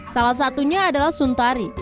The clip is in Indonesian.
salah satunya adalah suntari